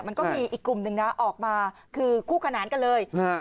มันก็มีอีกกลุ่มหนึ่งนะออกมาคือคู่ขนานกันเลยฮะ